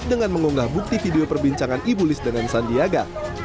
dengan mengunggah bukti video perbincangan ibu liz dengan sandiaga